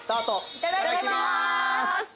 いただきます！